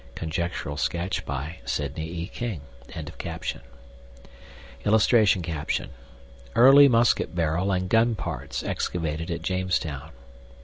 (Conjectural sketch by Sidney E. King.)] [Illustration: EARLY MUSKET BARREL AND GUN PARTS EXCAVATED AT JAMESTOWN.